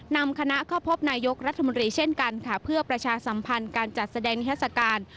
นำคณะเข้าพบนายกรัฐมนตรีเช่นกันค่ะเพื่อประชาสัมพันธ์การจัดแสดงนิทัศกาล